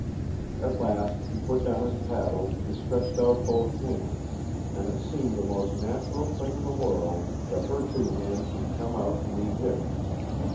At last he put down his paddle, and stretched out both hands; and it seemed the most natural thing in the world that her two hands should come out to meet his.